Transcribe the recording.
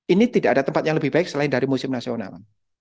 ini tidak ada tempat yang lebih baik selain dari museum nasional